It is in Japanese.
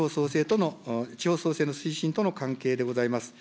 地方創生の推進との関係でございます。